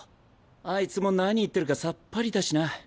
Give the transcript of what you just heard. あいつも何言ってるかさっぱりだしな。